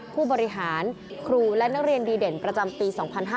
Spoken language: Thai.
ผู้บริหารครูและนักเรียนดีเด่นประจำปี๒๕๕๙